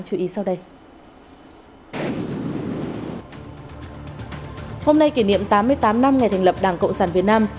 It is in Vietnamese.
hôm nay kỷ niệm tám mươi tám năm ngày thành lập đảng cộng sản việt nam